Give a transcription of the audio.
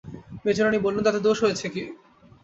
মেজোরানী বললেন, তাতে দোষ হয়েছে কি?